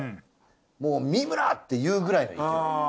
もう「三村！」っていうくらいの勢い。